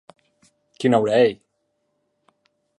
Quina ora ei?